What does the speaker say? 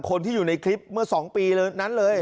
คนที่อยู่ในคลิปเมื่อ๒ปีนั้นเลย